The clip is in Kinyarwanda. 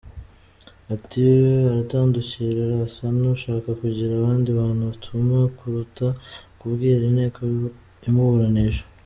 Ati “Aratandukira , arasa n’ushaka kugira abandi bantu atuma kuruta kubwira inteko imuburanisha”.